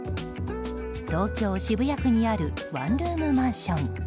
東京・渋谷区にあるワンルームマンション。